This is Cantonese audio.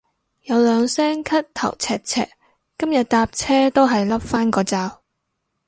有兩聲咳頭赤赤，今日搭車都係笠返個罩